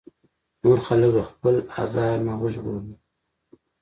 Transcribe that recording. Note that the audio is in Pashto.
نور خلک له خپل ازار نه وژغوري.